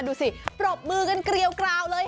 ดูสิปรบมือกันเกลียวกราวเลย